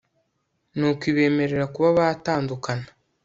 nuko ibemerera kuba batandukana